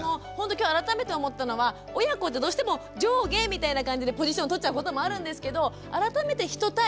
今日改めて思ったのは親子ってどうしても上下みたいな感じでポジションとっちゃうこともあるんですけど改めて人対人なんだなって。